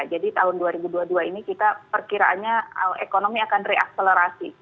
jadi tahun dua ribu dua puluh dua ini kita perkiraanya ekonomi akan re akcelerasi